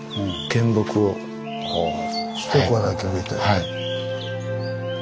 はい。